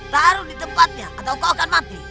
taruh di tempatnya atau kau akan mati